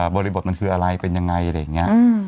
บริบทมันคืออะไรเป็นยังไงอะไรอย่างนี้